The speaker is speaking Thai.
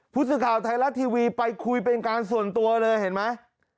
ผู้สื่อข่าวไทยรัฐทีวีไปคุยเป็นการส่วนตัวเลยเห็นไหม